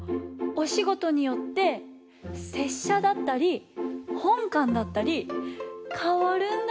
おしごとによって拙者だったり本官だったりかわるんだね。